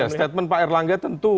statement pak erlangga tentu